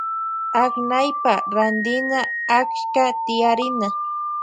Aknaypa rantina achka tiyarina.